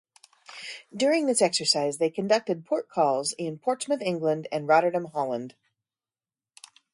During this exercise, they conducted port calls in Portsmouth, England and Rotterdam, Holland.